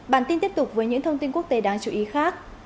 bản tin tiếp tục với những thông tin quốc tế đáng chú ý khác